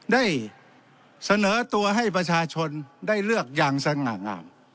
ได้เสนอตัวให้ประชาชนได้เลือกอย่างสง่างาม